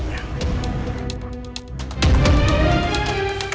kau lari pak